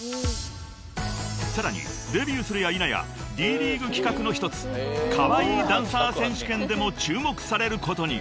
［さらにデビューするやいなやＤ．ＬＥＡＧＵＥ企画の一つカワイイダンサー選手権でも注目されることに］